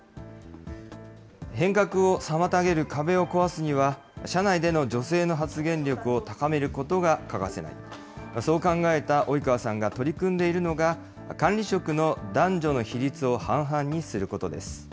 変革を妨げる壁を壊すには、社内での女性の発言力を高めることが欠かせない、そう考えた及川さんが取り組んでいるのが、管理職の男女の比率を半々にすることです。